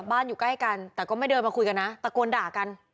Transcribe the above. อยู่ใกล้กันแต่ก็ไม่เดินมาคุยกันนะตะโกนด่ากัน